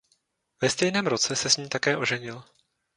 Ve stejném roce se s ní také oženil.